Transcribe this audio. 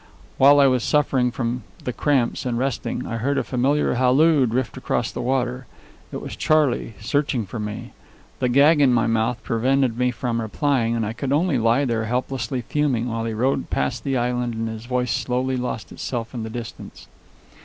While I was suffering from the cramps, and resting, I heard a familiar halloo drift across the water. It was Charley, searching for me. The gag in my mouth prevented me from replying, and I could only lie there, helplessly fuming, while he rowed past the island and his voice slowly lost itself in the distance.